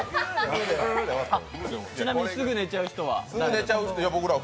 ちなみに、すぐ寝ちゃう人は？